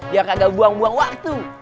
biar anda buang buang waktu